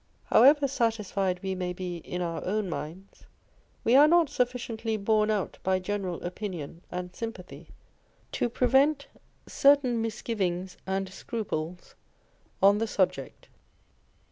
However satisfied we may be in our own minds, we are not sufficiently borne out by general opinion and sympathy to prevent certain misgivings and scruples on the subject.